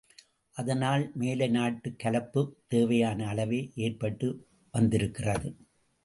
அதனால் மேலை நாட்டுக் கலப்புத் தேவையான அளவே ஏற்பட்டு வந்திருக்கிறது.